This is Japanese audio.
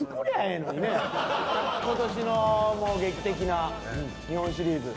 今年の劇的な日本シリーズ。